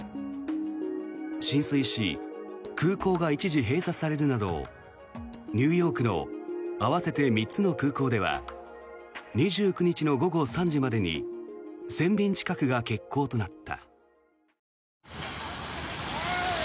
浸水し空港が一時閉鎖されるなどニューヨークの合わせて３つの空港では２９日の午後３時までに１０００便近くが欠航となった。